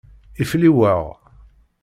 Ifliweɣ.